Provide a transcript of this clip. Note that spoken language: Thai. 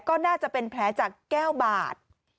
ก็น่าจะเป็นแผลจากแก้วบาด